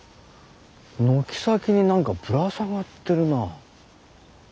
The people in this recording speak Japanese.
軒先に何かぶら下がってるな。